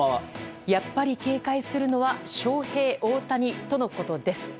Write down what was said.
やっぱり警戒するのはショウヘイ・オオタニとのことです。